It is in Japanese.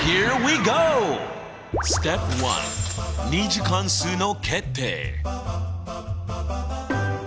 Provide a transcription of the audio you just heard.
２次関数の決定？